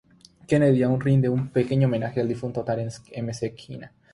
Kennedy aún rinde un pequeño homenaje al difunto Terence McKenna.